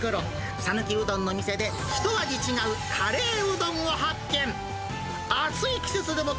讃岐うどんの店で、一味違うカレーうどんを発見。